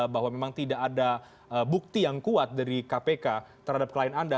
bahwa memang tidak ada bukti yang kuat dari kpk terhadap klien anda